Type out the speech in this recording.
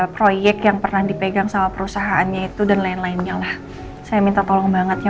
proyek yang pernah dipegang sama perusahaannya itu dan lain lainnya lah saya minta tolong banget ya